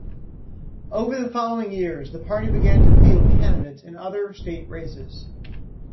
Over the following years, the party began to field candidates in other state races.